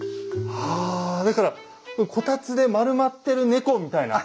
はぁだからこたつで丸まってる猫みたいな。